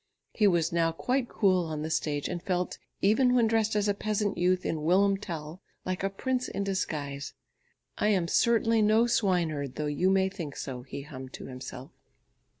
He was now quite cool on the stage, and felt, even when dressed as a peasant youth in Wilhelm Tell, like a prince in disguise. "I am certainly no swineherd, though you may think so," he hummed to himself.